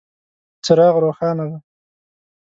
څراغ روښانه دی .